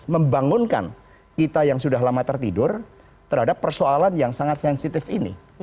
membangunkan kita yang sudah lama tertidur terhadap persoalan yang sangat sensitif ini